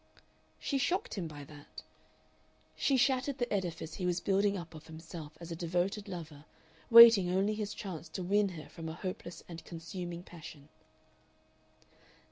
She shocked him by that. She shattered the edifice he was building up of himself as a devoted lover, waiting only his chance to win her from a hopeless and consuming passion.